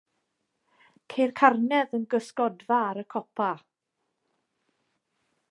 Ceir carnedd yn gysgodfa ar y copa.